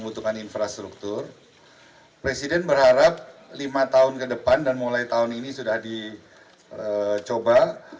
lima tahun ke depan dan mulai tahun ini sudah dicoba